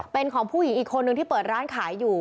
เป็นของผู้หญิงอีกคนนึงที่เปิดร้านขายอยู่